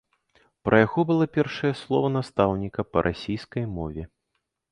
Пра яго было першае слова настаўніка па расійскай мове.